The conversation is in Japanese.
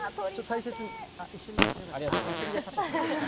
大切にね。